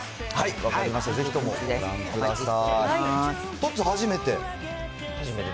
分かりました、ぜひとも、ご覧くださーい。